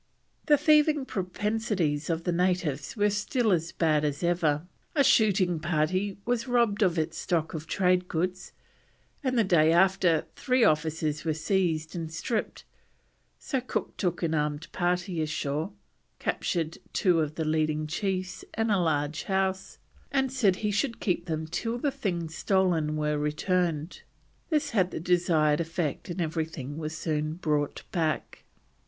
The thieving propensities of the natives were still as bad as ever; a shooting party was robbed of its stock of trade goods, and the day after three officers were seized and stripped, so Cook took an armed party ashore, captured two of the leading chiefs and a large house, and said he should keep them till the things stolen were returned. This had the desired effect, and everything was soon brought back.